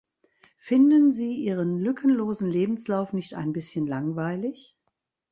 Finden Sie Ihren lückenlosen Lebenslauf nicht ein bisschen langweilig?